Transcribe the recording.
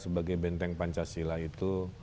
sebagai benteng pancasila itu